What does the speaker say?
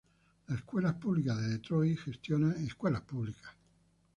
Las Escuelas Públicas de Detroit gestiona escuelas públicas.